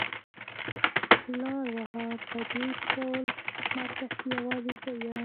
لار وهه په دې ټول مرکز کې يوازې زه يم.